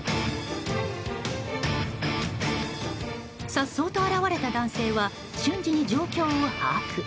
颯爽と現れた男性は瞬時に状況を把握。